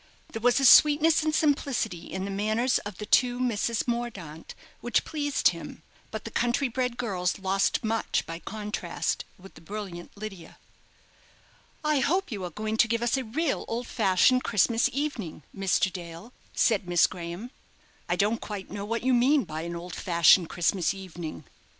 There was a sweetness and simplicity in the manners of the two Misses Mordaunt which pleased him; but the country bred girls lost much by contrast with the brilliant Lydia. "I hope you are going to give us a real old fashioned Christmas evening, Mr. Dale," said Miss Graham. "I don't quite know what you mean by an old fashioned Christmas evening."